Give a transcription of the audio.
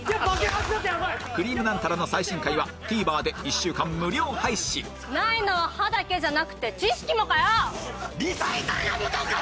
『くりぃむナンタラ』の最新回は ＴＶｅｒ で１週間無料配信ないのは歯だけじゃなくて知識もかよ！